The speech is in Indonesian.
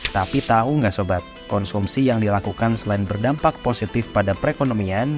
tapi tahu nggak sobat konsumsi yang dilakukan selain berdampak positif pada perekonomian